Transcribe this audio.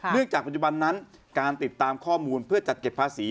จากปัจจุบันนั้นการติดตามข้อมูลเพื่อจัดเก็บภาษี